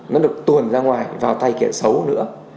nó được tuồn ra ngoài vào thay kiện xấu nữa